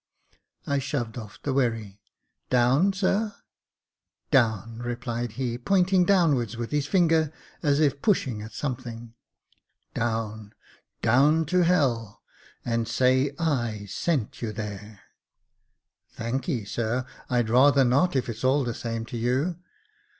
I shoved off the wherry :" Down, sir ?" "Down," replied he, pointing downwards with his finger, as if pushing at something : "Down, down to h — 11, and say I sent you there," " Thanky, sir, I'd rather not, if it's all the same to you."